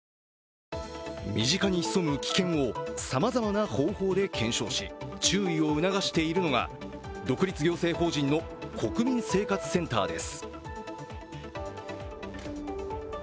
身近に潜む危険をさまざまな方法で検証し注意を促しているのが独立行政法人の国民生活センターです。